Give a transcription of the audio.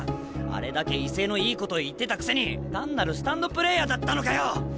あれだけ威勢のいいこと言ってたくせに単なるスタンドプレーヤーだったのかよ！